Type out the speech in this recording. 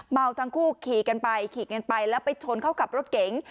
เมาทั้งคู่ขี่กันไปขี่กันไปแล้วไปชนเข้ากับรถเก๋ง